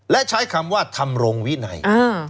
และใช้คำว่าทำรงวินัย